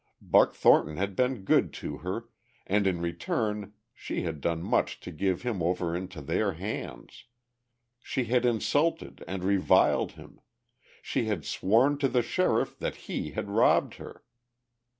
Buck Thornton had been good to her and in return she had done much to give him over into their hands, she had insulted and reviled him, she had sworn to the sheriff that he had robbed her.